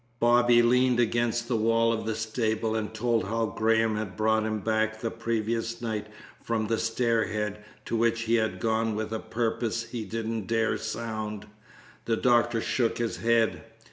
Bobby leaned against the wall of the stable and told how Graham had brought him back the previous night from the stairhead, to which he had gone with a purpose he didn't dare sound. The doctor shook his head.